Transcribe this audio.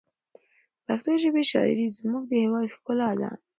د پښتو ژبې شاعري زموږ د هېواد ښکلا ده.